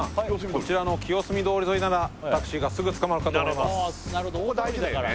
こちらの清澄通り沿いならタクシーがすぐ捕まるかと思います